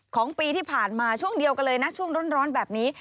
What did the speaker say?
ของปีที่ผ่านมาช่วงเดียวกันเลยนะช่วงร้อนแบบนี้